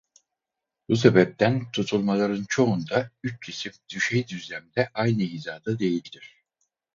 Bu sebepten tutulmaların çoğunda üç cisim düşey düzlemde aynı hizada değildir.